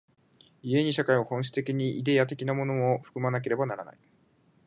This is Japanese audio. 故に社会は本質的にイデヤ的なものを含まなければならない。